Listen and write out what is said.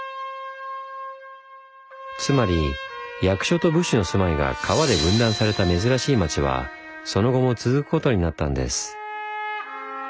つまり役所と武士の住まいが川で分断された珍しい町はその後も続くことになったんです。